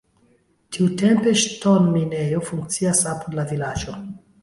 Tiutempe ŝtonminejo funkciis apud la vilaĝo.